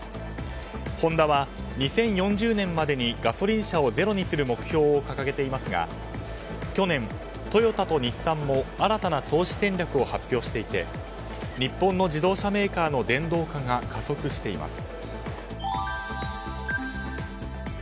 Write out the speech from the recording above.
ホンダは２０４０年までにガソリン車をゼロにする目標を掲げていますが去年、トヨタと日産も新たな投資戦略を発表していて日本の自動車メーカーの電動化が加速しています。